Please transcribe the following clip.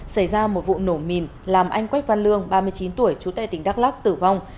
xảy ra một vụ nổ mìn làm anh quách văn lương ba mươi chín tuổi chú tây tỉnh đắk lắc tử vong